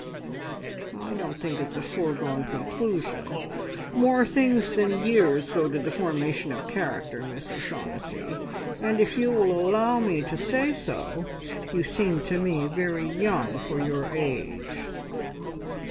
"I don't think it is a foregone conclusion. More things than years go to the formation of character, Miss O'Shaughnessy, and if you will allow me to say so, you seem to me very young for your age."